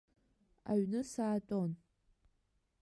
Аҩны саатәон.